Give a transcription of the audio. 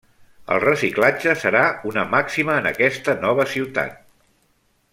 El reciclatge serà una màxima en aquesta nova ciutat.